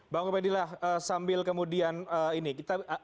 bang kobedillah sambil kemudian ini